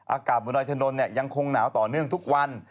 อากาศบนดอยถนนยังคงหนาวต่อเนื่องทุกวัน